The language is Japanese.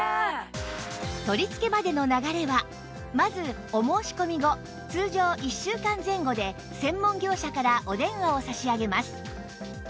取り付けまでの流れはまずお申し込み後通常１週間前後で専門業者からお電話を差し上げます